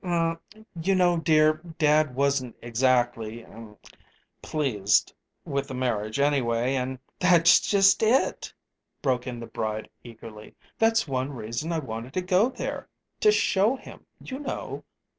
"Er you know, dear, dad wasn't exactly er pleased with the marriage, anyway, and " "That's just it," broke in the bride eagerly. "That's one reason I wanted to go there to show him, you know.